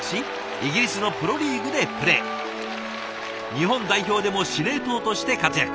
日本代表でも司令塔として活躍。